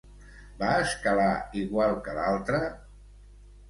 Va escalar igual que l'altre?